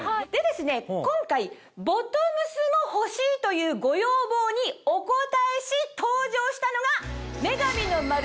今回ボトムスも欲しいというご要望にお応えし登場したのが。